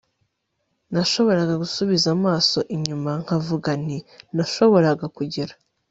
nashoboraga gusubiza amaso inyuma nkavuga nti nashoboraga kugira